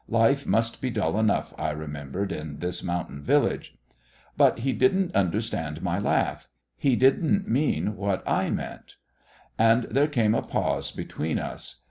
Life must be dull enough, I remembered, in this mountain village. But he didn't understand my laugh. He didn't mean what I meant. And there came a pause between us.